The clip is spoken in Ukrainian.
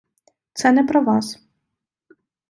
Це не про Вас.